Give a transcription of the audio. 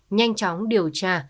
nhanh chóng điều tra